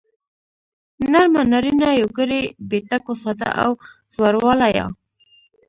نرمه نارينه يوگړې بې ټکو ساده او زورواله يا